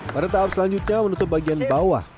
pada tahap selanjutnya menutup bagian bawah